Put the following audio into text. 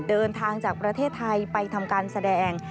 เดินทางจากประเทศไทยไปทำการแสดง